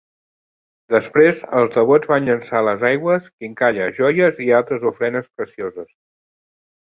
Després, els devots van llançar a les aigües quincalla, joies i altres ofrenes precioses.